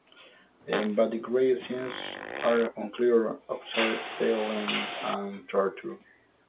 But the gay scenes are unclear outside Tallinn and Tartu.